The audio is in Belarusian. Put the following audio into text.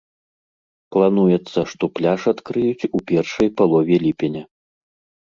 Плануецца, што пляж адкрыюць у першай палове ліпеня.